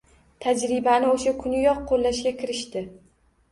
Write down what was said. Tajribani o‘sha kuniyoq qo‘llashga kirishdi.